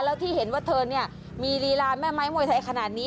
แล้วที่เห็นว่าเธอเนี่ยมีลีลาแม่ไม้มวยไทยขนาดนี้